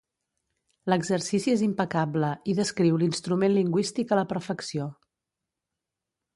L'exercici és impecable, i descriu l'instrument lingüístic a la perfecció.